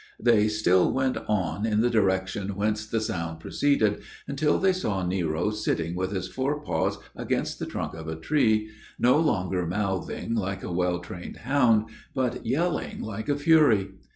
They still went on in the direction whence the sound proceeded, until they saw Nero sitting with his fore paws against the trunk of a tree, no longer mouthing like a well trained hound, but yelling like a fury.